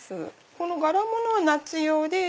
この柄物は夏用で。